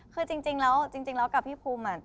คือจริงแล้วกับพี่ภูมิ